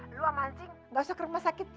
lu sama ancing engga usah ke rumah sakit